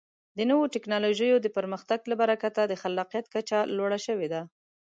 د نوو ټکنالوژیو د پرمختګ له برکته د خلاقیت کچه لوړه شوې ده.